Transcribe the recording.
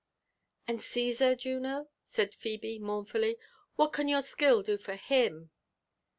'*And Cssar, Juno?*' said Phebe mournfully, '*what can your skill do for him?